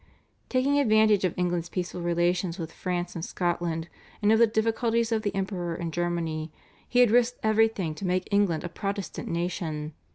Taking advantage of England's peaceful relations with France and Scotland and of the difficulties of the Emperor in Germany, he had risked everything to make England a Protestant nation.